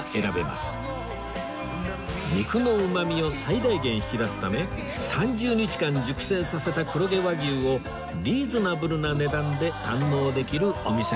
肉のうまみを最大限引き出すため３０日間熟成させた黒毛和牛をリーズナブルな値段で堪能できるお店なんです